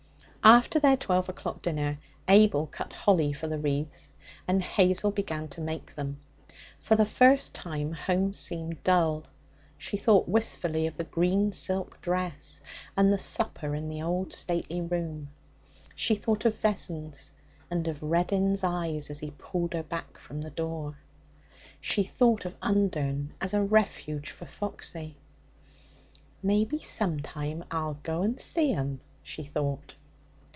After their twelve o'clock dinner, Abel cut holly for the wreaths, and Hazel began to make them. For the first time home seemed dull. She thought wistfully of the green silk dress and the supper in the old, stately room. She thought of Vessons, and of Reddin's eyes as he pulled her back from the door. She thought of Undern as a refuge for Foxy. 'Maybe sometime I'll go and see 'em,' she thought.